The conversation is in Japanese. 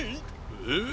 えっ？